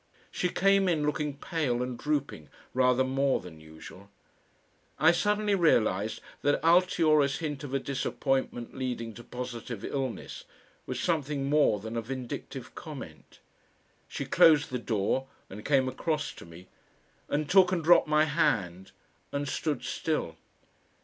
She came in, looking pale and drooping rather more than usual. I suddenly realised that Altiora's hint of a disappointment leading to positive illness was something more than a vindictive comment. She closed the door and came across to me and took and dropped my hand and stood still.